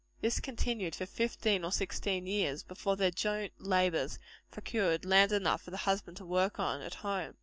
This continued for fifteen or sixteen years, before their joint labors procured land enough for the husband to work on, at home.